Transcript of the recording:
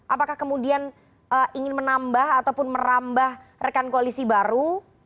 apakah kemudian ingin menambah ataupun merambah rekan koalisi baru